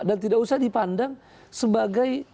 dan tidak usah dipandang sebagai